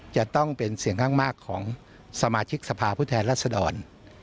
จะต้องเป็นเสียงข้างมากของสมาชิกสภาพผู้แทนรัศดร